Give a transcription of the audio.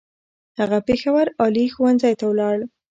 هغه پېښور عالي ښوونځی ته ولاړ.